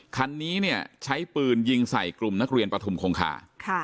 คันนี้เนี่ยใช้ปืนยิงใส่กลุ่มนักเรียนปฐุมคงคา